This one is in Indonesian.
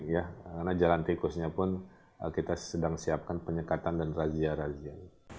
karena jalan tikusnya pun kita sedang siapkan penyekatan dan razia razia